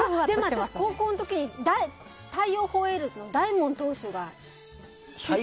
高校の時に太陽ホエールズのダイモン投手が。